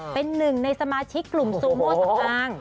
เป็นหนึ่งในสมาชิกกลุ่มซูโม่สำอาง